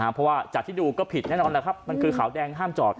เพราะว่าจากที่ดูก็ผิดแน่นอนแหละครับมันคือขาวแดงห้ามจอด